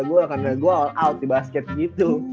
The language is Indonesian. gue karena gue all out di basket gitu